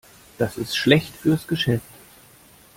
Das ist schlecht fürs Geschäft.